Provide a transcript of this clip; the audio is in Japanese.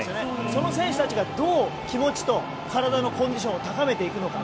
その選手たちがどう気持ちと体のコンディションを高めていくのか。